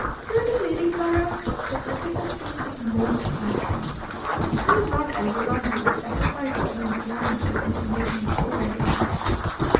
"Really, Lady Clara, your implicit faith is most flattering. It is not everyone who would sacrifice their own plans and inclinations so readily."